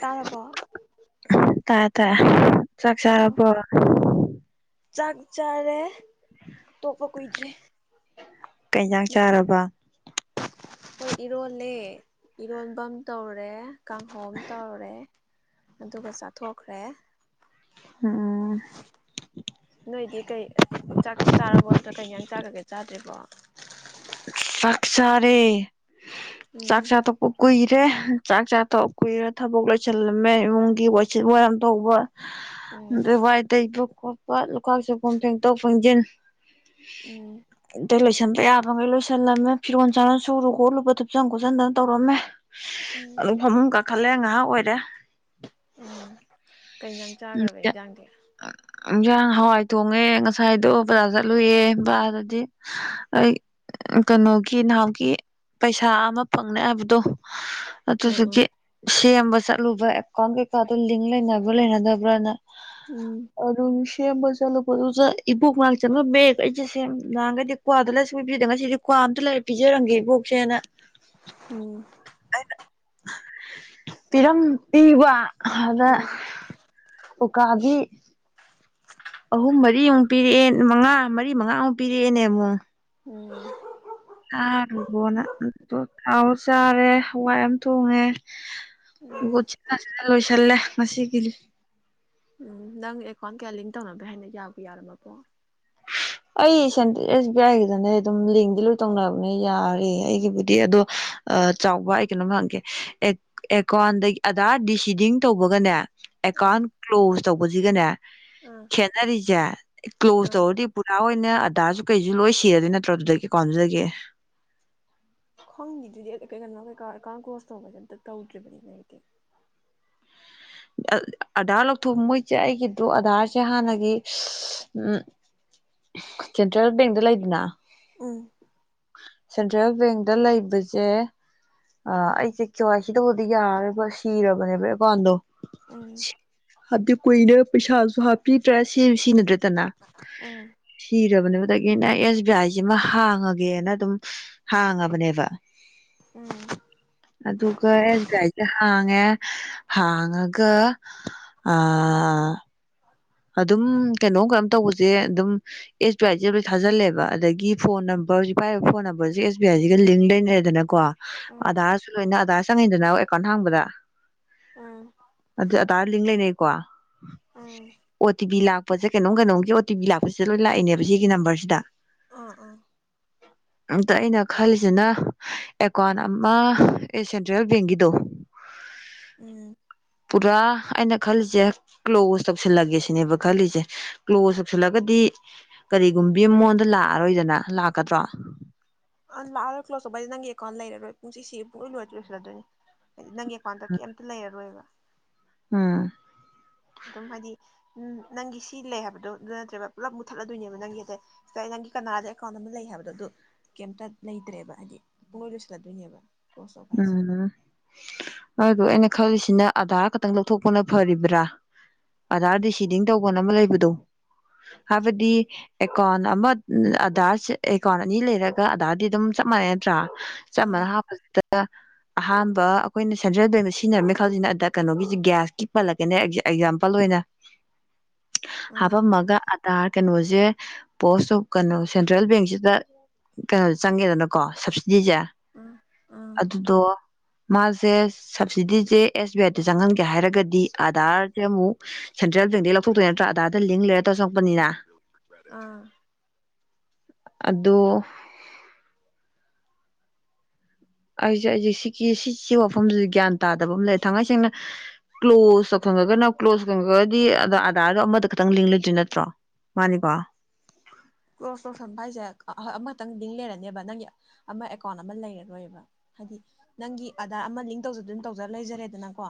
ꯇꯥꯔꯕꯣ ꯑꯥꯗ ꯆꯥꯛ ꯑꯣ ꯆꯔꯥꯕꯣ ꯆꯥꯛ ꯆꯥꯔꯦ ꯇꯣꯛꯄ ꯀꯨꯏꯗ꯭ꯔꯤ ꯀꯩ ꯏꯁꯥꯡ ꯆꯥꯔꯕ ꯍꯣꯏ ꯏꯔꯣꯜꯂꯦ ꯏꯔꯣꯟꯕ ꯑꯃ ꯇꯧꯔꯦ ꯀꯥꯡꯒꯧ ꯑꯃ ꯇꯧꯔꯦ ꯑꯗꯨꯒ ꯆꯥꯊꯣꯛꯈ꯭ꯔꯦ ꯎꯝ ꯅꯣꯏꯗꯤ ꯀꯩ ꯆꯥꯛ ꯆꯥꯔꯕꯣ ꯅꯠꯇ꯭ꯔ ꯀꯩꯖꯥꯡ ꯆꯥꯔꯒꯦ ꯅꯠꯇꯔ ꯆꯥꯗ꯭ꯔꯤꯕꯣ ꯆꯥꯛ ꯆꯥꯔꯦ ꯎꯝ ꯆꯥꯛꯆꯥ ꯇꯣꯛꯄ ꯀꯨꯏ ꯁꯦ ꯆꯥꯛ ꯆꯥ ꯇꯣꯛꯄ ꯀꯨꯏꯔꯦ ꯊꯕꯛ ꯂꯣꯏꯁꯜꯂꯝꯃꯦ ꯏꯃꯨꯡꯒꯤ ꯋꯥꯁꯤꯠ ꯋꯥꯔꯝ ꯇꯧꯕ ꯎꯝ ꯗ ꯋꯥꯏ ꯇꯩꯕ ꯈꯣꯠꯄ ꯂꯨꯈꯥꯛ ꯆꯥꯒꯨꯝ ꯐꯦꯡꯗꯣꯛ ꯐꯦꯡꯖꯤꯟ ꯎꯝ ꯑꯣꯝꯇ ꯂꯣꯢ ꯊꯝꯗꯣꯌꯥꯝ ꯂꯣꯢ ꯂꯣꯏꯁꯤꯜꯂꯝꯃꯦ ꯐꯤꯔꯣꯟ ꯆꯥꯔꯣꯟ ꯁꯨꯔꯨ ꯈꯣꯠꯂꯨꯕ ꯊꯨꯞꯆꯟ ꯈꯣꯠꯆꯟꯗꯅ ꯇꯧꯔꯝꯃꯦ ꯎꯝ ꯑꯗꯨꯝ ꯐꯃꯨꯡ ꯀꯥ ꯈꯜꯂꯦ ꯉꯥꯏꯍꯥꯛ ꯑꯣꯏꯔꯦ ꯎꯝ ꯀꯩ ꯖꯥꯡ ꯆꯥꯈ꯭ꯔꯕ ꯏꯟꯖꯥꯡꯗꯤ ꯖꯥꯡ ꯍꯋꯥꯏ ꯊꯣꯡꯉꯦ ꯉꯁꯥꯏꯗꯣ ꯕꯖꯥꯔ ꯆꯠꯂꯨꯌꯦ ꯕꯖꯔꯗꯗꯤ ꯑꯩ ꯀꯩꯅꯣꯒꯤ ꯅꯍꯥꯟꯃꯨꯛꯀꯤ ꯄꯩꯁꯥ ꯑꯃ ꯐꯪꯅꯤ ꯍꯥꯏꯕꯗꯣ ꯑꯥ ꯑꯥ ꯑꯗꯨꯗꯨꯒꯤ ꯁꯦꯝꯕ ꯆꯠꯂꯨꯕ ꯑꯦꯀꯥꯎꯟ ꯀꯩꯀꯥꯗꯨ ꯂꯤꯡ ꯂꯩꯅꯕ ꯂꯩꯅꯗꯕ ꯕ꯭ꯔꯥꯅ ꯎꯝ ꯎꯝ ꯑꯗꯨ ꯁꯦꯝꯕ ꯆꯠꯂꯨꯄꯗꯨ ꯏꯕꯣꯛ ꯃꯅꯥꯛ ꯆꯪꯉꯝꯃꯦ ꯑꯩꯁꯦ ꯁꯦꯝ ꯉꯥꯍꯥꯟꯒꯩꯗꯤ ꯀ꯭ꯋꯥꯗꯣ ꯂꯩ ꯁꯨꯡꯄꯤꯗ ꯉꯁꯤꯗꯤ ꯀ꯭ꯋꯥ ꯑꯝꯇ ꯂꯩꯔ ꯄꯤꯖꯔꯝꯒꯦ ꯏꯕꯣꯛꯁꯦꯅ ꯍꯪ ꯄꯤꯔꯝ ꯄꯤꯕ ꯑꯗ ꯑꯨ ꯀꯥꯕꯤ ꯑꯍꯨꯝ ꯃꯔꯤꯃꯨꯛ ꯄꯤꯔꯛꯑꯦ ꯃꯉꯥ ꯃꯔꯤ ꯃꯉꯥꯃꯨꯛ ꯄꯤꯔꯛꯑꯦꯅꯦ ꯑꯃꯨꯛ ꯎꯝ ꯆꯥꯔꯨꯔꯣꯅ ꯑꯗꯨꯗꯣ ꯇꯥꯎꯔ ꯆꯥꯔꯦ ꯍꯋꯥꯏ ꯑꯃ ꯊꯣꯡꯉꯦ ꯎꯝ ꯎꯆꯤꯟ ꯅꯆꯤꯟꯅ ꯂꯣꯏꯁꯜꯂꯦ ꯉꯁꯤꯒꯤꯗꯤ ꯀꯌꯥꯂꯤꯡ ꯇꯧꯔꯒ ꯍꯥꯢꯕꯅꯦ ꯌꯥꯕꯨ ꯌꯥꯔꯝꯃꯕ꯭ꯔꯣ ꯑꯩ ꯁꯦꯟꯇ ꯑꯦꯁ ꯕꯤ ꯑꯥꯏꯒꯤꯗꯅꯦ ꯑꯗꯨꯝ ꯂꯤꯡꯗꯤ ꯂꯣꯏ ꯇꯧꯅꯔꯕꯅꯦ ꯌꯥꯔꯦ ꯑꯩꯒꯤꯕꯨꯗꯤ ꯑꯗꯣ ꯑꯥ ꯆꯥꯎꯕ ꯑꯩ ꯀꯩꯅꯣꯝ ꯍꯪꯒꯦ ꯑꯦꯛ ꯑꯦꯀꯥꯎꯟꯗꯒꯤ ꯑꯙꯔ ꯗꯤꯁꯤꯗꯤꯡ ꯇꯧꯕꯒꯅꯦ ꯑꯥ ꯑꯦꯀꯥꯎꯟ ꯀ꯭ꯂꯣꯁ ꯇꯧꯕꯖꯤꯒꯅꯦ ꯑꯥ ꯈꯦꯅꯔꯤꯖꯦ ꯀ꯭ꯂꯣꯁ ꯑꯥ ꯇꯧꯔꯗꯤ ꯄꯨꯔꯥ ꯑꯣꯏꯅ ꯑꯙꯥꯔꯁꯨ ꯀꯩꯁꯨ ꯂꯣꯏ ꯁꯤꯔꯗꯣꯏ ꯅꯠꯇ꯭ꯔꯣ ꯑꯗꯨꯗꯒꯤ ꯑꯦꯀꯥꯎꯟꯗꯨꯗꯒꯤ ꯈꯪꯗꯦꯗꯨꯗꯤ ꯑꯩ ꯀꯩꯅꯣ ꯀꯩꯀꯥ ꯑꯦꯀꯥꯎꯟ ꯀ꯭ꯂꯣꯁ ꯇꯧꯕꯁꯦ ꯑꯝꯇ ꯇꯧꯗ꯭ꯔꯤꯕꯅꯤꯅ ꯑꯩꯗꯤ ꯑꯙꯥꯔ ꯂꯧꯊꯣꯡ ꯃꯣꯏꯁꯦ ꯑꯩꯒꯤꯗꯣ ꯑꯙꯥꯔꯁꯦ ꯍꯥꯟꯅꯒꯤ ꯎ ꯁꯦꯟꯇ꯭ꯔꯦꯜ ꯕꯦꯡꯗ ꯂꯩꯗꯅ ꯎꯝ ꯁꯦꯟꯇ꯭ꯔꯦꯜ ꯕꯦꯡꯗ ꯂꯩꯕꯖꯦ ꯑꯩꯁꯦ ꯀꯦ ꯋꯥꯥꯏ ꯁꯤ ꯇꯧꯕꯗꯤ ꯌꯥꯔꯔꯣꯏꯕ ꯁꯤꯔꯕꯅꯦꯕ ꯑꯦꯀꯥꯎꯟꯗꯣ ꯎꯝ ꯑꯗꯨ ꯀꯨꯏꯅ ꯄꯩꯁꯥꯁꯨ ꯍꯥꯞꯄꯤ ꯗ꯭ꯔꯦ ꯁꯤꯖꯨ ꯁꯤꯖꯤꯟꯅ ꯎꯝ [unintelligible] ꯁꯤ ꯖꯕꯗꯨꯒꯤ ꯑꯩꯅ ꯑꯦꯁ ꯕꯤ ꯑꯥꯏꯁꯤꯃ ꯍꯥꯡꯉꯒꯦꯅ ꯑꯗꯨꯝ ꯍꯥꯡꯉꯕꯅꯦꯕ ꯎꯝ ꯑꯗꯨꯒ ꯑꯦꯁ ꯕꯤꯑꯥꯏꯖꯦ ꯍꯥꯡꯉꯦ ꯍꯥꯡ ꯑꯒ ꯑꯥ ꯑꯗꯨꯝ ꯀꯩꯅꯣꯝ ꯀꯩꯅꯣꯝ ꯇꯧꯕꯖꯦ ꯑꯗꯨꯝ ꯑꯦꯁ ꯕꯤ ꯑꯥꯏꯖꯦ ꯊꯥꯖꯤꯜꯂꯦꯕ ꯑꯗꯒꯤ ꯐꯣꯟ ꯅꯝꯕꯔ ꯍꯧꯖꯤꯛ ꯄꯥꯏꯔꯤꯕ ꯐꯣꯟ ꯅꯝꯕꯔꯖꯦ ꯑꯦꯁ ꯕꯤ ꯑꯥꯏꯁꯤꯒ ꯂꯤꯡ ꯂꯩꯅꯔꯦꯗꯅꯀꯣ ꯑꯙꯥꯔꯁꯨ ꯂꯣꯏꯅ ꯑꯙꯥꯔ ꯆꯪꯉꯤꯅꯤꯗꯅ ꯑꯦꯀꯥꯎꯟ ꯍꯥꯡꯕꯗ ꯎꯝ ꯑꯗꯨ ꯑꯥꯙꯥꯔ ꯂꯤꯡ ꯂꯩꯅꯩ ꯀꯣ ꯎꯝ ꯑꯣ ꯇꯤ ꯄꯤ ꯂꯥꯛꯄꯖꯦ ꯀꯩꯅꯣꯝ ꯀꯩꯅꯣꯝꯒꯤ ꯑꯣ ꯇꯤ ꯄꯤ ꯂꯥꯛꯄꯁꯦ ꯁꯤꯗ ꯂꯣꯏ ꯂꯥꯛꯏꯅꯦꯕ ꯁꯤꯒꯤ ꯅꯝꯕꯔꯁꯤꯗ ꯑꯥ ꯑꯥ ꯑꯝꯇ ꯑꯩꯅ ꯈꯜꯂꯤꯁꯤꯅ ꯑꯦꯀꯥꯎꯟ ꯑꯃ ꯑꯦ ꯁꯦꯟꯇ꯭ꯔꯦꯜ ꯕꯦꯡꯒꯤꯗꯣ ꯎꯝ ꯄꯨꯔꯥ ꯑꯩꯅ ꯈꯜꯂꯤꯁꯦ ꯀ꯭ꯂꯣꯖ ꯇꯧꯁꯜꯂꯒꯦꯁꯤ ꯁꯤꯅꯦꯕ ꯈꯜꯂꯤꯁꯦ ꯀ꯭ꯂꯣꯁ ꯌꯧꯁꯜꯂꯒꯗꯤ ꯀꯔꯤꯒꯨꯝꯕꯤ ꯃꯉꯣꯟꯗ ꯂꯥꯛꯑꯔꯣꯏꯗꯅ ꯂꯥꯛꯀꯗ꯭ꯔꯣ ꯑ ꯂꯥꯛꯑꯒ ꯀ꯭ꯂꯣꯖ ꯇꯧꯕ ꯍꯥꯏꯖꯦ ꯅꯪꯒꯤ ꯑꯦꯀꯥꯎꯟ ꯂꯩꯔꯔꯣꯏ ꯄꯨꯡꯁꯤ ꯁꯤ ꯄꯨꯡꯂꯣꯏ ꯂꯣꯏꯁꯤꯜꯂꯗꯣꯏꯅꯤ ꯍꯥꯏꯗꯤ ꯅꯪꯒꯤ ꯑꯦꯀꯥꯎꯟꯗ ꯀꯦꯝꯇ ꯂꯩꯔꯔꯣꯏꯕ ꯑꯝ ꯑꯗꯨꯝ ꯍꯥꯏꯗꯤ ꯎꯝ ꯅꯪꯒꯤ ꯁꯤ ꯂꯩ ꯍꯥꯏꯕꯗꯣ ꯑꯗꯨ ꯅꯠꯇ꯭ꯔꯦꯕ ꯄꯨꯂꯞ ꯃꯨꯠꯊꯠꯂꯗꯣꯏꯅꯦꯕ ꯅꯪꯒꯤ ꯑ ꯅꯪꯒꯤ ꯀꯅꯥꯗ ꯑꯦꯀꯥꯎꯟ ꯑꯃ ꯂꯩ ꯍꯥꯏꯕꯗꯣ ꯑꯗꯨ ꯀꯩꯝꯇ ꯂꯩꯇ꯭ꯔꯦꯕ ꯍꯥꯏꯗꯤ ꯄꯨꯡꯂꯣꯏ ꯂꯣꯏꯁꯤꯜꯂꯗꯣꯏꯅꯦꯕ ꯀ꯭ꯂꯣꯖ ꯇꯧꯕ ꯍꯥꯏꯁꯦ ꯎꯝ ꯑꯗꯨꯗꯣ ꯑꯩꯅ ꯈꯜꯂꯤꯁꯤꯅ ꯑꯙꯥꯔ ꯈꯛꯇꯪ ꯂꯧꯊꯣꯛꯄꯅ ꯐꯔꯤꯕ꯭ꯔ ꯑꯙꯥꯔꯗꯤ ꯁꯤꯗꯤꯡ ꯇꯧꯕꯅ ꯑꯃ ꯂꯩꯕꯗꯣ ꯍꯥꯏꯕꯗꯤ ꯑꯦꯀꯥꯎꯟ ꯑꯃ ꯑꯙꯥꯔ ꯑꯦꯀꯥꯎꯟ ꯑꯅꯤ ꯂꯩꯔꯒ ꯑꯙꯥꯔꯗꯤ ꯑꯗꯨꯝ ꯆꯞ ꯃꯥꯟꯅꯩ ꯅꯠꯇ꯭ꯔꯥ ꯑꯥ ꯆꯞꯃꯅ ꯍꯥꯞꯄꯗꯨꯗ ꯑꯍꯥꯟꯕ ꯑꯩꯈꯣꯏꯅ ꯁꯦꯟꯇ꯭ꯔꯦꯜ ꯕꯦꯡꯗ ꯁꯤꯖꯤꯟꯅꯔꯝꯃꯦ ꯈꯜꯂꯖꯤꯅꯦ ꯑꯗ ꯀꯩꯅꯣꯒꯤ ꯒ꯭ꯌꯥꯁꯀꯤ ꯄꯂꯛ ꯀꯦꯅꯦ ꯑꯦꯛꯖꯥꯝꯄꯜ ꯑꯣꯏꯅ ꯑꯥ ꯍꯥꯄꯝꯃꯒ ꯑꯙꯥꯔ ꯀꯩꯅꯣ ꯖꯦ ꯄꯣꯁ ꯑꯣꯐ ꯀꯩꯅꯣ ꯁꯦꯟꯇ꯭ꯔꯦꯜ ꯕꯦꯡꯁꯤꯗ ꯀꯩꯅꯣ ꯆꯪꯉꯦꯗꯅꯀꯣ ꯁꯕꯁꯤꯗꯤꯖꯦ ꯎꯝ ꯃꯥꯖꯦ ꯁꯞꯁꯤꯗꯤꯖꯦ ꯑꯦꯁꯕꯤ ꯑꯥꯏ ꯗ ꯆꯪꯉꯝ ꯒꯦ ꯍꯥꯏꯔꯒꯗꯤ ꯑꯥꯙꯥꯔꯖꯦ ꯑꯃꯨꯛ ꯁꯦꯟꯇ꯭ꯔꯦꯜ ꯕꯦꯡꯗꯩ ꯂꯧꯊꯣꯛꯇꯣꯏ ꯅꯠꯇ꯭ꯔꯥ ꯑꯙꯥꯔꯗ ꯂꯤꯡ ꯂꯩꯔ ꯇꯧꯔ ꯆꯪꯉꯛꯄꯅꯤꯅ ꯑꯥ ꯑꯗꯨ ꯑꯩꯁꯦ ꯑꯩꯁꯦ ꯁꯤꯒꯤ ꯁꯤꯁꯤ ꯋꯥꯐꯝꯁꯦ ꯒ꯭ꯌꯥꯟ ꯇꯥꯗꯕ ꯑꯃ ꯂꯩ ꯊꯥꯡꯉꯩ ꯁꯦꯡꯅ ꯀ꯭ꯂꯣꯁ ꯇꯧꯁꯟꯈ꯭ꯔꯥꯒꯅ ꯀ꯭ꯂꯣꯁꯇꯧꯒꯗꯤ ꯑ ꯑꯥꯙꯥꯔꯗꯣ ꯑꯃꯗ ꯈꯛꯇꯪ ꯂꯤꯡ ꯂꯩꯗꯣꯏ ꯅꯠꯇ꯭ꯔꯣ ꯃꯥꯅꯤꯀꯣ ꯀ꯭ꯂꯣꯁ ꯇꯧꯁꯟꯕ ꯍꯥꯏꯁꯦ ꯑꯃꯇꯪ ꯅꯤꯜ ꯂꯩꯔꯅꯤꯕ ꯅꯪꯒꯤ ꯑꯃ ꯑꯦꯀꯥꯎꯟ ꯑꯃ ꯂꯩꯔꯔꯣꯏꯕ ꯍꯥꯏꯗꯤ ꯅꯪꯒꯤ ꯑꯥꯙꯥꯔ ꯑꯃ ꯂꯤꯡ ꯇꯧꯖꯅ ꯂꯩꯖꯔꯦꯗꯅꯀꯣ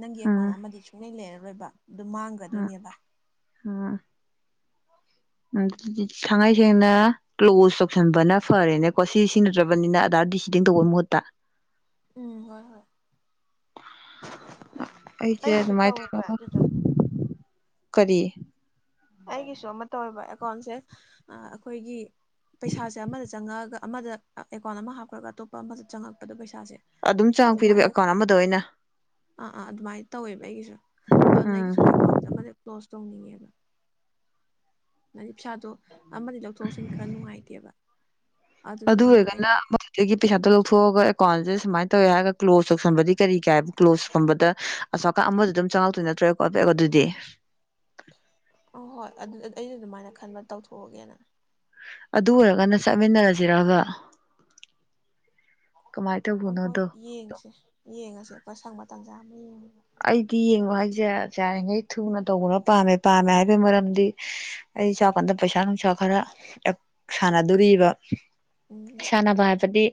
ꯅꯪꯒꯤ ꯑꯦꯀꯥꯎꯟ ꯎꯝ ꯑꯃꯗꯤ ꯁꯨꯡꯂꯩ ꯂꯩꯔꯔꯣꯏꯕ ꯑꯗꯨ ꯎꯝ ꯃꯥꯡꯒ꯭ꯔꯗꯣꯏꯅꯦꯕ ꯊꯉꯩ ꯁꯦꯡꯅ ꯀ꯭ꯂꯣꯖ ꯇꯧꯁꯟꯕꯅ ꯐꯔꯦꯅꯦꯀꯣ ꯁꯤ ꯁꯤꯖꯤ ꯅꯗ꯭ꯔꯕꯅꯤꯅ ꯑꯗꯥꯔ ꯗꯤ ꯁꯤꯗꯤꯡ ꯇꯧꯕꯩ ꯃꯍꯨꯠꯇ ꯎꯝ ꯍꯣꯏ ꯍꯣꯏ ꯑꯩꯁꯦ ꯑꯩꯒꯤꯁꯨ ꯑꯗꯨꯃꯥꯏ ꯇꯧꯋꯦꯕ ꯇꯧꯔꯒꯥ ꯑꯗꯨꯗꯣ ꯀꯔꯤ ꯑꯩꯒꯤꯁꯨ ꯑꯃ ꯇꯧꯋꯦꯕ ꯑꯦꯀꯥꯎꯟꯁꯦ ꯑꯩꯈꯣꯏꯒꯤ ꯄꯩꯁꯥꯁꯦ ꯑꯃꯗ ꯆꯪꯉꯛꯒ ꯑꯃꯗ ꯑꯦꯀꯥꯎꯟ ꯑꯃ ꯍꯥꯞꯈ꯭ꯔꯒ ꯑꯇꯣꯞꯄ ꯑꯃꯗ ꯆꯪꯉꯛꯄꯗꯣ ꯄꯩꯁꯥ ꯄꯩꯁꯥꯁꯦ ꯑꯗꯨꯝ ꯆꯥꯡ ꯄꯤꯗꯕ ꯑꯗꯨꯃꯥꯏꯅ ꯑꯦꯀꯥꯎꯟ ꯑꯃꯗ ꯑꯣꯏꯅ ꯑꯥ ꯑꯥ ꯑꯗꯨꯃꯥꯏꯅ ꯇꯧꯋꯦꯕ ꯑꯩꯒꯤꯁꯨ ꯑꯗꯨꯅ ꯎꯝ ꯑꯩꯒꯤꯁꯨ ꯑꯦꯀꯥꯎꯟꯁꯦ ꯑꯃꯖꯦ ꯀ꯭ꯂꯣꯖ ꯇꯣꯡꯅꯤꯡꯉꯦꯕ ꯍꯥꯏꯗꯤ ꯄꯩꯁꯥꯗꯣ ꯑꯃꯗꯤ ꯂꯧꯊꯣꯛꯂꯧꯁꯤꯟ ꯈꯔ ꯅꯨꯡꯉꯥꯏꯇꯦꯕ ꯑꯗꯨ ꯑꯗꯨꯗꯨꯅ ꯑꯣꯏꯔꯒꯅ ꯑꯩꯅ ꯑꯃꯗꯨꯗꯒꯤ ꯄꯩꯁꯥꯗꯣ ꯂꯧꯊꯣꯛꯑꯒ ꯑꯦꯀꯥꯎꯟꯗꯨ ꯁꯨꯃꯥꯏꯅ ꯇꯧꯋꯦ ꯍꯥꯏꯔꯒ ꯀ꯭ꯂꯣꯖ ꯀ꯭ꯂꯣꯁꯇꯧꯁꯟꯕꯗꯤ ꯀꯔꯤ ꯀꯥꯏꯕ ꯀ꯭꯭ꯂꯣꯁ ꯐꯝꯕꯗ ꯑꯁꯣꯝ ꯅꯥꯀꯜ ꯑꯃꯗꯨꯗꯪ ꯆꯪꯉꯛꯇꯣꯏ ꯅꯠꯇ꯭ꯔ ꯑꯗꯨꯗꯤ ꯑ ꯍꯣꯏ ꯑꯗꯨ ꯑꯩꯁꯨ ꯑꯗꯨꯃꯥꯏꯅ ꯈꯟꯕ ꯇꯧꯊꯣꯛꯑꯒꯦꯅ ꯑꯗꯨ ꯑꯣꯏꯔꯒꯅ ꯆꯠꯃꯤꯟꯅꯔꯁꯤꯔꯕ ꯀꯃꯥꯏꯅ ꯑ ꯍꯣꯏ ꯇꯧꯕꯅꯣꯗꯣ ꯌꯦꯡꯁꯦ ꯌꯦꯡꯉꯁꯦ ꯁꯪꯕ ꯇꯥꯡꯖ ꯑꯝꯃ ꯌꯦꯡꯒꯦ ꯑꯩꯗꯤ ꯌꯦꯡꯕ ꯍꯥꯏꯖꯦ ꯌꯥꯔꯤꯉꯩ ꯊꯨꯅ ꯇꯧꯕꯅ ꯄꯥꯝꯃꯦ ꯄꯥꯝꯃꯦ ꯍꯥꯏꯕꯒꯤ ꯃꯔꯝꯗꯤ ꯑꯩ ꯁꯣꯝꯅꯥꯀꯟꯗ ꯄꯩꯁꯥ ꯅꯨꯡꯁꯥ ꯈꯔ ꯁꯥꯟꯅꯗꯣꯔꯤꯕ ꯎꯝ ꯁꯥꯟꯅꯕ ꯍꯥꯏꯕꯗꯤ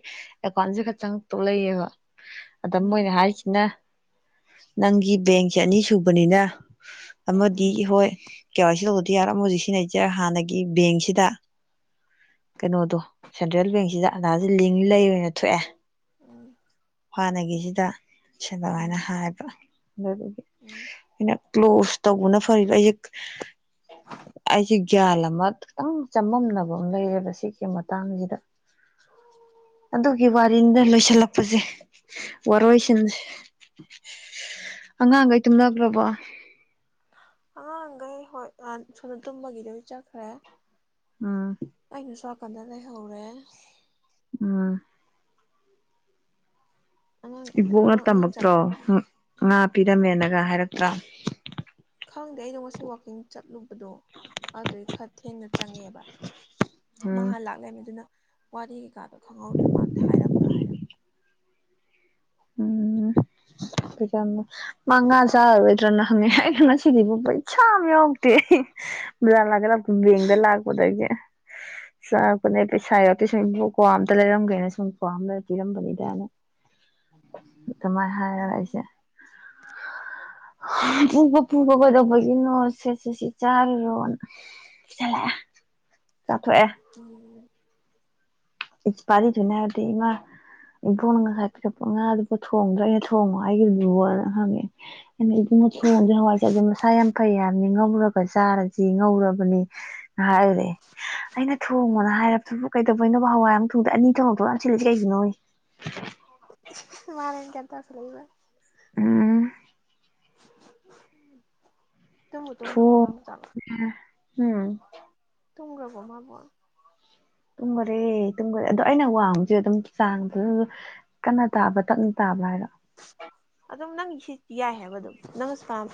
ꯑꯦꯀꯥꯎꯟꯖꯦ ꯈꯇꯪ ꯇꯧꯂ ꯂꯩ ꯕ ꯑꯗꯣ ꯎꯝ ꯃꯣꯏꯅ ꯍꯥꯏꯔꯤꯁꯤꯅ ꯅꯪꯒꯤ ꯕꯦꯡꯁꯦ ꯑꯅꯤ ꯁꯨꯕꯅꯤꯅ ꯑꯃꯗꯤ ꯎꯝ ꯍꯣꯏ ꯀꯦ ꯋꯥ ꯁꯤ ꯇꯧꯗꯗꯤ ꯌꯥꯔꯣ ꯃꯣꯏ ꯍꯧꯖꯤꯛ ꯁꯤꯖꯤꯟꯅꯔꯤꯁꯦ ꯍꯥꯟꯅꯒꯤ ꯕꯦꯡꯁꯤꯗ ꯀꯩꯅꯣꯗꯣ ꯁꯦꯟꯇ꯭꯭ꯔꯦꯜ ꯕꯦꯡꯁꯤꯗ ꯑꯗꯥꯔꯁꯤ ꯂꯤꯡ ꯂꯩꯔꯦꯅ ꯊꯣꯛꯑꯦ ꯎꯝ ꯍꯥꯟꯅꯒꯤꯁꯤꯗ ꯕꯅ ꯎꯝ ꯍꯥꯏ [inaudible] ꯑꯗꯨꯗꯨꯒꯤ ꯎꯝ ꯑꯩꯅ ꯀ꯭ꯂꯣꯁ ꯇꯧꯕꯅ ꯐꯔꯤꯕ ꯑꯩꯁꯦ ꯑꯩꯁꯦ ꯒ꯭ꯌꯥꯟ ꯑꯃ ꯈꯤꯇꯪ ꯆꯝꯃꯝꯅꯕ ꯑꯃ ꯂꯩꯔꯦꯕ ꯁꯤꯒꯤ ꯃꯇꯥꯡꯁꯤꯗ ꯑꯗꯨꯒꯤ ꯋꯥꯔꯤꯅꯤꯗ ꯂꯣꯏꯁꯜꯂꯛꯄꯁꯦ ꯎꯝ ꯋꯥꯔꯣꯏꯁꯤꯟꯁꯦ ꯑꯉꯥꯡꯈꯩ ꯇꯨꯝꯅꯈ꯭ꯔꯕꯣ ꯑꯉꯥꯡꯈꯩ ꯍꯣꯏ ꯁꯣꯟꯗ ꯇꯨꯝꯕꯒꯤ ꯂꯣꯏ ꯆꯠꯈ꯭ꯔꯦ ꯎꯝ ꯑꯩꯅ ꯁꯣꯝ ꯑꯗ ꯂꯩꯍꯧꯔꯦ ꯑꯝ ꯑꯉꯥꯡ ꯏꯕꯣꯛꯅ ꯑꯉꯥꯡ ꯑꯉꯥꯡ ꯇꯝꯃꯛꯇ꯭ꯔꯣ ꯆꯥꯛꯇꯣ ꯉꯥ ꯄꯤꯔꯝꯃꯦꯅꯒ ꯍꯥꯏꯔꯛ ꯇ꯭ꯔꯥ ꯈꯪꯗꯦ ꯑꯩꯩꯗꯣ ꯉꯁꯤ ꯋꯥꯛꯀꯤꯡ ꯆꯠꯂꯨ ꯑꯗꯣ ꯑꯗꯨꯏ ꯈꯔ ꯊꯦꯡꯅ ꯆꯪꯉꯦꯕ ꯃꯥꯥ ꯎꯝ ꯍꯟꯅ ꯂꯥꯛ ꯂꯩꯔꯝꯃꯦ ꯑꯗꯨꯅ ꯋꯥꯔꯤ ꯀꯩꯀꯥꯗꯣ ꯈꯪꯍꯧꯗ꯭ꯔꯦ ꯃꯥꯗꯤ ꯍꯥꯏꯔꯝꯕ꯭ꯔꯥ ꯍꯥꯏꯔꯝꯕ꯭ꯔꯥ ꯎꯝ ꯃ ꯃꯉꯥ ꯆꯥꯔꯔꯣꯏꯗ꯭ꯔꯅ ꯍꯪꯉꯦ ꯑꯩꯅ ꯉꯁꯤꯗꯤ ꯏꯕꯣꯛ ꯄꯩꯁꯥ ꯑꯃ ꯌꯥꯎꯔꯛꯇꯦ ꯑꯩ ꯕꯖꯔ ꯂꯥꯛꯀꯩ ꯂꯥꯛ ꯑ ꯕꯦꯡꯗ ꯂꯥꯛꯄꯗꯩꯅꯦ ꯆꯪ ꯉꯛꯄꯅꯦ ꯄꯩꯁꯥ ꯌꯥꯎꯔꯛꯇꯦ ꯁꯨꯝ ꯀ꯭ꯋꯥ ꯑꯝꯇ ꯂꯩꯔꯝꯒꯦꯅ ꯁꯨꯝ ꯀ꯭ꯋꯥ ꯑꯃ ꯂꯩꯔ ꯄꯤꯔꯝꯕꯅꯤꯗꯅ ꯗꯨꯃꯥꯏ ꯍꯥꯏꯔ ꯎꯝ ꯑꯩꯁꯦ ꯄꯨꯨꯒꯣ ꯄꯨꯒꯣ ꯀꯗꯧꯕꯒꯤꯅꯣ ꯁꯦꯠ ꯁꯦ ꯁꯤ ꯆꯥꯔꯨꯔꯣꯅ ꯄꯤꯁꯜꯂꯛꯑꯦ ꯆꯥꯊꯣꯛꯑꯦ ꯎꯝ ꯄꯥꯔꯤꯗꯨꯅ ꯍꯥꯏꯕꯗꯤ ꯏꯃꯥ ꯏꯕꯣꯡꯅ ꯉꯁꯥꯏ ꯄꯤꯔꯛꯄ ꯉꯥꯗꯨꯕꯨ ꯊꯣꯡꯗ꯭ꯔꯥ ꯑꯩꯅ ꯊꯣꯡꯉꯣ ꯍꯥꯏꯒꯤꯗꯨꯕꯣ ꯍꯪꯉꯦ ꯑꯩꯅ ꯏꯕꯨꯡꯅꯣ ꯊꯣꯡꯗ꯭ꯔꯦ ꯍꯋꯥꯏꯁꯦ ꯑꯗꯨ ꯃꯁꯥ ꯌꯥꯝ ꯐꯩ ꯍꯥꯏꯕꯅꯤ ꯉꯧꯔꯒ ꯆꯥꯔꯁꯤ ꯉꯧꯔꯕꯅꯤ ꯍꯥꯏꯔꯔꯦ ꯑꯩꯅ ꯎꯝ ꯊꯣꯡꯉꯣꯅ ꯍꯥꯏꯔꯕꯗꯨꯕꯨ ꯀꯩꯗꯧꯕꯩꯅꯣ ꯍꯋꯥꯏ ꯑꯃꯨꯛ ꯇꯣꯡꯉꯦ ꯁꯨꯝ ꯆꯤꯜꯂꯤꯁꯦ ꯀꯩꯒꯤꯅꯣꯌꯦ ꯃꯥꯏ ꯑꯣꯏ ꯒ꯭ꯌꯥꯟ ꯇꯁꯜꯂꯛꯏꯕ ꯎꯝ ꯇꯨꯝꯕꯨ ꯇꯨꯝꯈ꯭ꯔꯕ ꯑꯉꯥꯡꯖꯥꯠꯂꯣ ꯊꯣꯡꯉꯦ ꯎꯝ ꯇꯨꯝꯒ꯭ꯔꯕꯣ ꯃꯥꯕꯣ ꯇꯨꯝꯒ꯭ꯔꯦ ꯇꯨꯝꯒ꯭ꯔꯦ ꯑꯗꯣ ꯑꯩꯅ ꯋꯥꯡ ꯉꯥꯡꯕꯁꯦ ꯑꯗꯨꯝ ꯆꯥꯡꯗ ꯀꯟꯅ ꯇꯥꯕ꯭ꯔꯥ ꯇꯞꯅ ꯇꯥꯕ꯭ꯔꯥ ꯍꯥꯏꯔꯣ ꯑꯗꯨꯝ ꯅꯪ ꯁꯤ ꯌꯥꯏ ꯍꯥꯏꯕ ꯑꯗꯨꯝ ꯅꯪꯅ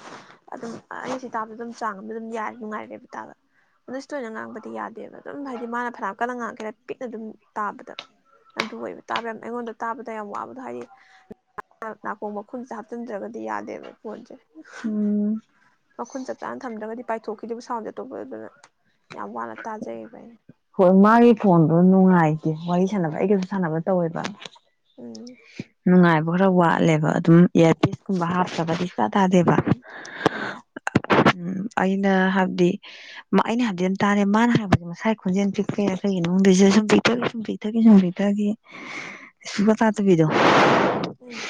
ꯑꯗꯨꯝ ꯑꯩꯅ ꯁꯤ ꯇꯥꯕꯗ ꯑꯗꯨꯝ ꯆꯥꯡ ꯑꯃ ꯑꯗꯨꯝ ꯌꯥꯔꯦ ꯅꯨꯡꯉꯥꯏꯔꯦꯕ ꯇꯥꯕ ꯃꯤꯁ ꯇꯣꯏꯅ ꯉꯥꯡꯕꯗꯤ ꯌꯥꯗꯦꯕ ꯑꯗꯨꯝ ꯍꯥꯏꯗꯤ ꯃꯥꯅ ꯐꯅꯥꯝ ꯀꯟꯅ ꯉꯥꯡꯉꯛꯀꯦꯔꯥ ꯄꯤꯛꯅ ꯑꯗꯨꯝ ꯇꯥꯕꯗ ꯑꯗꯨ ꯑꯣꯏꯕ ꯇꯥꯕ ꯌꯥꯝ ꯑꯩꯉꯣꯟꯗ ꯇꯥꯕꯗ ꯌꯥꯝ ꯋꯥꯕꯗꯣ ꯍꯥꯏꯗꯤ ꯍꯣ ꯃꯈꯨꯟꯁꯦ ꯍꯥꯞꯆꯤꯟꯗ꯭ꯔꯒꯗꯤ ꯌꯥꯗꯦꯕ ꯐꯣꯟꯁꯦ ꯎꯝ ꯃꯈꯨꯜ ꯆꯞ ꯆꯥꯅ ꯊꯝꯗ꯭ꯔꯒꯗꯤ ꯄꯥꯏꯊꯣꯛꯈꯤꯗꯣꯏꯕ ꯁꯥꯎꯟꯁꯦ ꯑꯇꯣꯞꯄ ꯑꯗꯨꯅ ꯌꯥꯝ ꯋꯥꯅ ꯇꯥꯖꯩꯌꯦꯕ ꯑꯩꯅ ꯑꯗꯨ ꯅꯨꯡꯉꯥꯏꯇꯦ ꯋꯥꯔꯤ ꯁꯥꯟꯅꯕ ꯑꯩꯒꯁꯨ ꯁꯥꯟꯅꯕ ꯇꯧꯋꯦꯕ ꯎꯝ ꯅꯨꯡꯉꯥꯏꯕ ꯈꯔ ꯋꯥꯠꯂꯦꯕ ꯑꯗꯨꯝ ꯏꯌꯔ ꯄꯤꯁꯀꯨꯝꯕ ꯍꯥꯞꯇꯔꯒꯗꯤ ꯁꯨꯡꯇꯥ ꯇꯥꯗꯦꯕ ꯎꯝ ꯎꯝ ꯎꯝ ꯑꯩꯅ ꯍꯥꯏꯕꯗꯤ ꯑꯩꯅ ꯍꯥꯏꯕꯗꯤ ꯑꯗꯨꯝ ꯇꯥꯔꯦ ꯃꯥꯅ ꯍꯥꯏꯕꯗꯤ ꯃꯁꯥꯏ ꯈꯣꯟꯖꯦꯜ ꯄꯤꯛꯄꯩ ꯑꯩꯈꯣꯏꯒꯤ ꯁꯤꯗꯩꯗ ꯁꯨꯝ ꯄꯤꯛꯊꯈꯤ ꯁꯨꯝ ꯄꯤꯛꯊꯈꯤ ꯁꯨꯝ ꯄꯤꯛꯊꯈꯤ [unintelligible] ꯎꯝ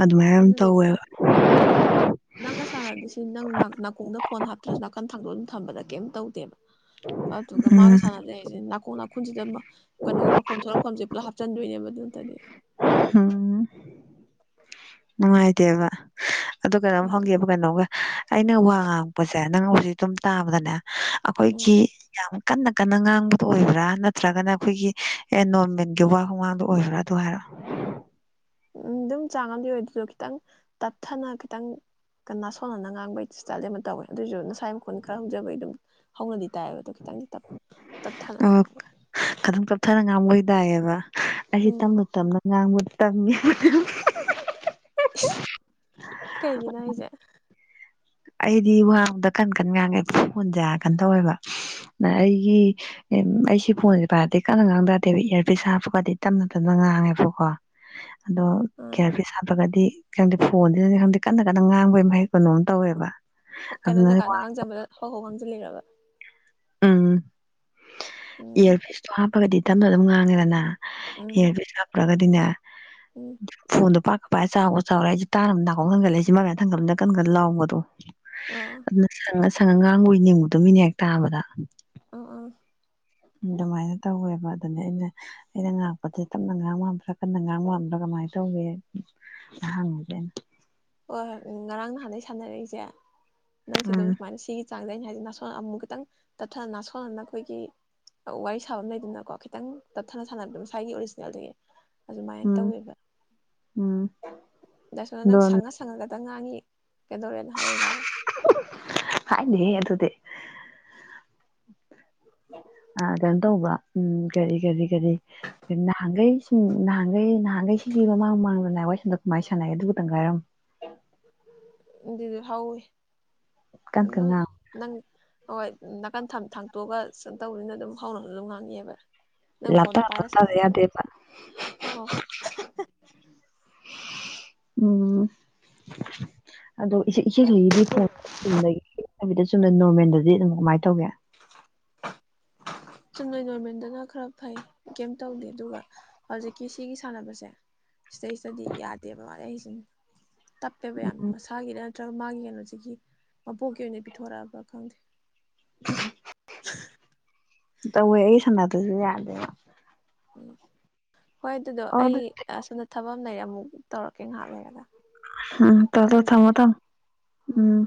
ꯑꯗꯨꯃꯥꯏ ꯗꯨꯝ ꯑꯗꯨꯅꯦꯃꯤ ꯇꯧꯏꯕ ꯅꯪꯒ ꯁꯥꯅꯔꯗꯤ ꯁꯤ ꯅꯪ ꯅꯥꯀꯣꯡꯗ ꯐꯣꯟ ꯍꯥꯠꯇ꯭ꯔꯁꯨ ꯅꯥꯀꯟ ꯊꯥꯡꯗꯣꯛꯑ ꯊꯝꯕꯗ ꯀꯩꯝ ꯇꯧꯗꯦꯕ ꯑ ꯗꯨꯒ ꯃꯥꯒ ꯎꯝ ꯁꯥꯟꯅ ꯕꯗꯤ ꯑꯩꯖꯦ ꯅ ꯈꯣꯡ ꯅꯥꯈꯨꯟꯖꯤꯗ ꯀꯩꯅꯣꯒꯤ ꯃꯈꯣꯟ ꯊꯣꯛꯂꯛꯄꯝꯖꯦ ꯂꯣꯢ ꯍꯥꯞꯆꯤꯟꯗꯣꯏꯅꯦꯕ ꯑꯗꯨꯅꯠꯇꯗꯤ ꯎꯝ ꯅꯨꯡꯉꯥꯏꯇꯦꯕ ꯑꯗꯨ ꯀꯩꯅꯣꯝ ꯎꯝ ꯍꯪꯒꯦꯕ ꯀꯩꯅꯣꯝꯒ ꯑꯩꯅ ꯋꯥ ꯉꯥꯡꯉꯛꯄꯖꯦ ꯅꯪ ꯍꯧꯖꯤꯛ ꯑꯗꯨꯝ ꯇꯥꯕꯗꯅꯦ ꯎꯝ ꯑꯩꯈꯣꯏꯒꯤ ꯌꯥꯝ ꯀꯟꯅ ꯀꯟꯅ ꯉꯥꯡꯕꯗꯣ ꯑꯣꯏꯕ꯭ꯔꯥ ꯅꯠꯇ꯭ꯔꯒꯅ ꯑꯩꯈꯣꯏꯒꯤ ꯑꯦ ꯅꯣꯔꯃꯦꯟꯒꯤ ꯋꯥ ꯉꯥꯡꯕꯗꯣ ꯑꯣꯏꯕ꯭ꯔꯥ ꯑꯗꯨ ꯍꯥꯏꯔꯛꯑꯣ ꯎꯝ ꯑꯗꯨꯝ ꯆꯥꯡ ꯑꯃꯗꯤ ꯑꯣꯏ ꯑꯗꯨꯗꯣ ꯈꯤꯇꯪ ꯇꯠꯊꯅ ꯈꯤꯇꯪ ꯅꯥ ꯁꯣꯟꯅꯅ ꯉꯥꯡꯕꯒꯤ ꯏꯁꯇꯥꯏꯜꯗꯤ ꯑꯃ ꯇꯧꯋꯦ ꯑꯗꯨꯏꯖꯨ ꯑꯩ ꯈꯣꯟ ꯈꯪꯗꯕꯩ ꯗꯨꯝ ꯍꯧꯅꯗꯤ ꯇꯥꯏꯌꯦꯕ ꯑꯗꯣ ꯈꯤꯇꯪꯗꯤ ꯇꯞ ꯑ ꯑꯗꯨꯝ ꯀꯞ ꯁꯥꯅ ꯉꯥꯡꯕ ꯑꯣꯏ ꯇꯥꯏꯌꯦꯕ ꯑꯩ ꯎꯝ ꯇꯞꯅ ꯇꯞꯅ ꯉꯥꯡꯕ ꯇꯝ ꯅꯤ ꯍ ꯍ ꯍ ꯀꯩꯒꯤꯅꯣ ꯍꯥꯏꯖꯦ ꯑꯩꯗꯤ ꯋꯥꯉꯥꯡꯕꯗ ꯀꯟ ꯀꯟ ꯉꯥꯡꯉꯦ ꯐꯣꯟꯁꯦ ꯀꯩꯅꯣ ꯇꯧꯋꯦꯕ ꯑ ꯑꯩꯒꯤ ꯑꯩꯁꯤ ꯐꯣꯟꯁꯦ ꯄꯥꯏꯔꯗꯤ ꯀꯟꯅ ꯉꯥꯡꯗ ꯌꯥꯗꯦꯕ ꯏꯌꯥꯔꯄꯤꯁ ꯍꯥꯞꯄꯒꯗꯤ ꯇꯞꯅ ꯇꯞꯅ ꯉꯥꯡꯉꯦꯕꯀꯣ ꯑꯗꯣ ꯑꯥ ꯏꯑꯔ ꯄꯤꯁ ꯍꯥꯞꯇ꯭ꯔꯒꯗꯤ ꯀꯩꯪꯗꯤ ꯐꯣꯟꯗꯨꯅꯗꯤ ꯈꯪꯗꯦ ꯀꯟꯅ ꯀꯟꯅ ꯉꯥꯡꯕꯩ ꯃꯍꯩ ꯀꯩꯅꯣꯝ ꯇꯧꯋꯦꯕ ꯑꯣ ꯀꯩꯅꯣ ꯑꯗꯨꯅ ꯖꯒꯥꯗ ꯉꯥꯡꯖꯕꯗ ꯍꯧ ꯍꯎ ꯉꯥꯡꯖꯜꯂꯤꯔꯕ ꯑꯝ ꯎꯝ ꯏꯌꯔꯄꯤꯁ ꯇꯣ ꯍꯥꯞ ꯐꯒꯗꯤ ꯇꯞꯅ ꯑꯗꯨꯝ ꯉꯥꯡꯉꯦꯗꯅ ꯎꯝ ꯏꯌꯔꯄꯤꯁ ꯍꯥꯞꯇ꯭ꯔꯥꯒꯗꯤ ꯑꯗꯤꯅꯦ ꯎꯝ ꯐꯣꯟꯗ ꯄꯥ ꯎꯄꯥ ꯆꯥꯎꯒ ꯆꯥꯎꯔꯦ ꯑꯩꯁꯦ ꯇꯥꯔꯝ ꯅꯥꯀꯣꯡ ꯊꯥꯡꯖꯜꯂꯦ ꯆꯤꯟꯕꯥꯟ ꯃꯌꯥ ꯊꯥꯡꯖꯜꯂꯦ ꯀꯟ ꯀꯟꯅ ꯂꯥꯎꯕꯗꯣ ꯑꯣ ꯑꯗꯨꯗ ꯁꯪꯒ ꯁꯪ ꯑꯉꯥꯡ ꯑꯣꯏ ꯅꯤꯡꯕꯗꯣ ꯃꯤꯅ ꯍꯦꯛ ꯇꯥꯕꯗ [inaudible] ꯑꯣ ꯑ ꯑꯗꯨꯃꯥꯏꯅ ꯇꯧꯋꯦꯕ ꯑꯗꯨꯅꯦ ꯑꯩꯅ ꯑꯩꯅ ꯉꯥꯡꯄꯖꯦ ꯇꯞꯅ ꯉꯥꯡ ꯉꯝꯕ꯭ꯔꯥ ꯀꯟꯅ ꯉꯥꯡ ꯉꯝꯕ꯭ꯔꯥ ꯀꯃꯥꯏꯅ ꯇꯧꯋꯦ ꯍꯡꯉꯤꯖꯦ ꯑꯩꯅ ꯍꯣꯏ ꯍꯣꯏ ꯉꯔꯥꯡ ꯅꯍꯥꯟꯗꯩ ꯁꯥꯟꯅꯔꯛꯏꯖꯦ ꯅꯪꯁꯦ ꯑꯗꯨꯝ ꯎꯝ ꯁꯨꯃꯥꯏꯅ ꯁꯤꯒꯤ ꯆꯥꯡꯗ ꯑꯩꯅ ꯍꯥꯏ ꯅꯁꯣꯟꯅꯅ ꯑꯃꯨꯛ ꯈꯤꯇꯪ ꯇꯠꯊꯅ ꯅꯥꯁꯣꯟꯅꯅ ꯑꯩꯈꯣꯏꯒꯤ ꯋꯥꯔꯤ ꯁꯥꯕ ꯑꯃ ꯂꯩꯗꯅꯀꯣ ꯈꯤꯇꯪ ꯇꯠꯊꯅ ꯁꯥꯟꯅꯕꯗꯣ ꯃꯁꯥꯒꯤ ꯑꯣꯔꯤꯖꯤꯅꯦꯜꯗꯒꯤ ꯑꯗꯨꯃꯥꯏꯅ ꯎꯝ ꯇꯧꯋꯦꯕ ꯎꯝ ꯗꯥꯁꯥꯅꯥ ꯅꯪ ꯗꯣꯟ ꯁꯪꯉ ꯗꯇꯪ ꯉꯥꯡꯉꯤ ꯀꯩꯗꯧꯔꯦꯟꯅ ꯍꯥꯏꯔꯛꯏꯅꯣ ꯍꯥꯏꯕ ꯍꯥꯏꯅꯗꯦꯍꯦ ꯑꯗꯨꯗꯤ ꯑ ꯀꯩꯅꯣ ꯇꯧꯕ꯭ꯔꯥ ꯎꯝ ꯀꯔꯤ ꯀꯔꯤ ꯀꯔꯤ ꯅꯍꯥꯟꯒꯩꯁꯤꯡ ꯅꯍꯥꯟꯒꯩ ꯅꯍꯥꯟꯈꯩ ꯁꯤꯒꯤ ꯃꯃꯥꯡ ꯃꯃꯥꯡꯗ ꯋꯥꯔꯤꯁꯟꯅꯕꯗ ꯀꯃꯥꯏꯅ ꯁꯥꯟꯅꯒꯦ ꯑꯗꯨ ꯈꯇꯪ ꯍꯥꯏꯔꯝꯃꯣ ꯑꯗꯨꯗꯤ ꯍꯧꯋꯤ ꯀꯟ ꯀꯟ ꯑꯗꯣ ꯉꯥꯡꯉꯣ ꯅꯪ ꯍꯣꯏ ꯅꯥꯀꯟ ꯊꯥꯡꯇꯣꯛꯑꯒ ꯆ ꯇꯧꯕꯅꯤꯅ ꯑꯗꯨꯝ ꯍꯧꯅ ꯑꯗꯨꯝ ꯉꯥꯡꯉꯛꯑꯦꯕ ꯅꯪ ꯂꯥꯞꯇꯥ ꯐꯣꯟꯗꯣ ꯂꯥꯞꯇꯥ ꯄꯥꯏꯔ ꯇꯥꯗ ꯁꯥꯅꯥꯗꯣꯏ ꯕ ꯌꯥꯗꯦꯕ ꯍꯣ ꯍꯣꯢ ꯍꯣꯢ ꯎꯝ ꯑꯗꯣ ꯏꯆꯦ ꯏꯆꯦ ꯔꯨꯍꯤꯗꯤ ꯐꯣꯟ ꯆꯨꯝꯅꯒꯤ ꯍꯥꯏꯕꯗꯤ ꯆꯨꯝꯅ ꯅꯣꯔꯃꯦꯜꯗꯗꯤ ꯑꯗꯨꯝ ꯀꯃꯥꯏꯅ ꯇꯧꯒꯦ [inaudible] ꯆꯨꯝ ꯅꯩ ꯅꯣꯔꯃꯦꯜꯗꯅ ꯈꯔ ꯐꯩ ꯀꯩꯝ ꯇꯧꯗꯦ ꯑꯗꯨꯒ ꯍꯧꯖꯤꯛꯀꯤ ꯁꯤꯒꯤ ꯁꯥꯟꯅꯕꯁꯦ ꯁꯤꯗꯩꯁꯤꯗꯗꯤ ꯌꯥꯗꯦꯕ ꯃꯥꯂꯦ ꯑꯩꯁꯤꯅ ꯇꯞꯄꯦꯕ ꯌꯥꯝꯅ ꯎꯝ ꯃꯁꯥꯒꯤꯅ ꯅꯠꯇ꯭ꯔꯒ ꯃꯥꯒꯤ ꯀꯩꯅꯣꯁꯤꯒꯤ ꯃꯄꯣꯛꯀꯤ ꯑꯣꯏꯅ ꯄꯤꯊꯣꯔꯛꯑꯕ ꯈꯪꯗꯦ [unintelligible] ꯇꯧꯋꯦ ꯑꯩ ꯁꯅꯗꯨꯁꯨ ꯌꯥꯗꯦ ꯎꯝ ꯍꯣꯏ ꯑꯗꯨꯗꯣ ꯑꯩ ꯑꯁ ꯊꯕꯛ ꯑꯃ ꯂꯩꯔꯦ ꯑꯃꯨꯛ ꯇꯧꯔꯛꯀꯦ ꯉꯥꯏꯍꯥꯛ ꯂꯩꯔꯒ ꯎꯝ ꯇꯧꯔꯣ ꯇꯧꯔꯣ ꯊꯃꯣ ꯊꯝꯈꯤꯒꯦ ꯊꯃꯣ ꯎꯝ